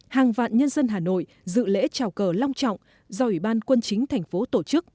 hàng vạn nhân dân hà nội dự lễ trào cờ long trọng do ủy ban quân chính thành phố tổ chức